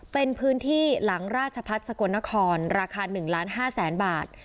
เป็นพื้นที่หลังราชพัฒนศ์สะกดนครราคาหนึ่งล้านห้าแสนบาท